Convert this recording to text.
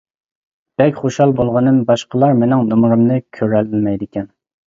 بەك خۇشال بولغىنىم باشقىلار مىنىڭ نومۇرۇمنى كۆرەلمەيدىكەن.